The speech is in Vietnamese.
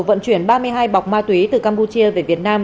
vận chuyển ba mươi hai bọc ma túy từ campuchia về việt nam